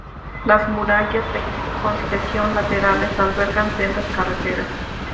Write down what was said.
Las murallas de contención laterales albergan sendas carreteras.